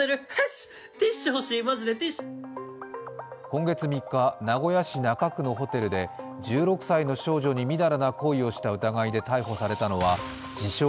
今月３日、名古屋市中区のホテルで１６歳の少女にみだらな行為をした疑いで逮捕されたのは自称